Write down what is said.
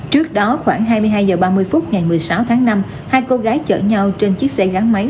trước đó khoảng hai mươi hai h ba mươi phút ngày một mươi sáu tháng năm hai cô gái chở nhau trên chiếc xe gắn máy